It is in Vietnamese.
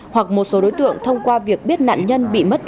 hoặc một số đối tượng thông qua việc biết nạn nhân